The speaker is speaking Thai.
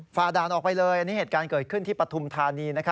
ด่านออกไปเลยอันนี้เหตุการณ์เกิดขึ้นที่ปฐุมธานี